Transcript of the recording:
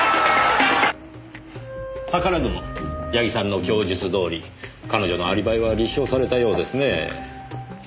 図らずも矢木さんの供述どおり彼女のアリバイは立証されたようですねえ。